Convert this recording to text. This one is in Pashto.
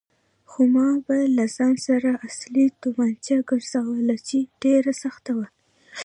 خو ما به له ځان سره اصلي تومانچه ګرځوله چې ډېره سخته وه.